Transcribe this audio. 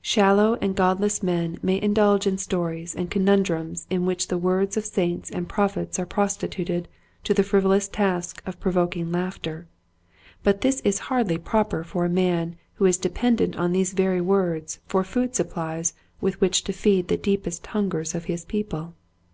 Shallow and Godless men may indulge in stories and conundrums in which the words of saints and prophets are prostituted to the frivolous task of pro voking laughter, but this is hardly proper for a man who is dependent on these very words for food supplies with which to feed the deepest hungers of his people.